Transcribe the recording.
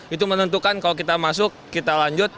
itu menentukan kalau kita masuk kita lanjut